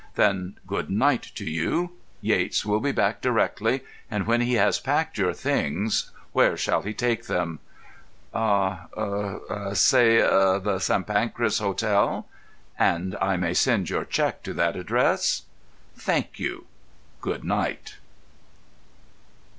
"Then good night to you. Yates will be back directly, and when he has packed your things, where shall he take them?" "Ah—er—say, the St. Pancras Hotel." "And I may send your cheque to that address? Thank you. Good night!"